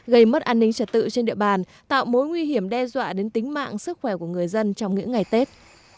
gây mất an ninh trật tự trên địa bàn tạo mối nguy hiểm đe dọa đến tính mạng sức khỏe của người dân trong những ngày tết